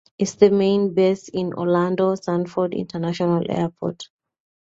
Its main base is Orlando Sanford International Airport.